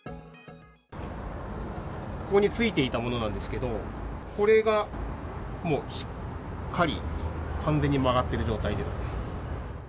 ここについていたものなんですけど、これがもう、しっかり、完全に曲がってる状態ですね。